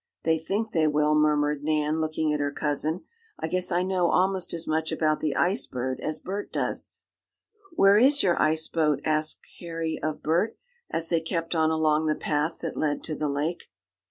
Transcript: "They think they will," murmured Nan looking at her cousin, "I guess I know almost as much about the Ice Bird as Bert does." "Where is your ice boat?" asked Harry of Bert, as they kept on along the path that led to the lake.